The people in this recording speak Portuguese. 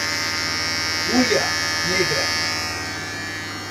Hulha Negra